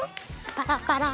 パラパラ。